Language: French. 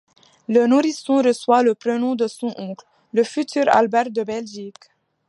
Le nourisson reçoit le prénom de son oncle, le futur Albert de Belgique.